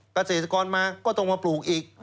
เกษตรกรมาก็ต้องมาปลูกอีก